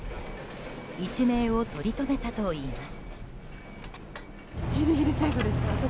一命をとりとめたといいます。